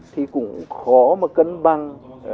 thì cũng khó mà cân bằng